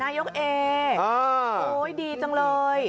นายกเอโอ๊ยดีจังเลย